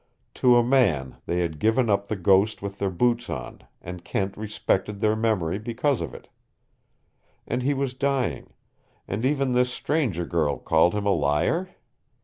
To a man they had given up the ghost with their boots on, and Kent respected their memory because of it. And he was dying and even this stranger girl called him a liar?